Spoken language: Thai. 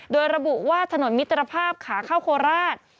โดยระบุว่าถนนมิตรภาพขาเข้าโคราช